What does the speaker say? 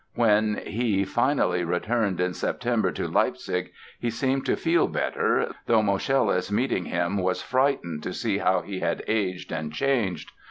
When he, finally, returned in September to Leipzig, he seemed to feel better, though Moscheles, meeting him, was frightened to see how he had aged and changed.